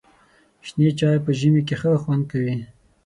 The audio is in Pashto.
شنې چای په ژمي کې ښه خوند کوي.